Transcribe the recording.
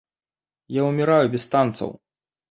Я ўміраю без танцаў.